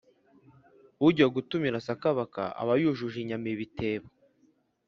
Ujya gutumira sakabaka aba yujuje inyama ibitebo.